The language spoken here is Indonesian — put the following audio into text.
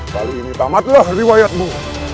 kali ini tamatlah riwayatmu